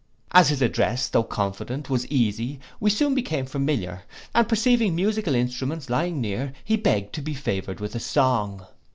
As his address, though confident, was easy, we soon became more familiar; and perceiving musical instruments lying near, he begged to be favoured with a song.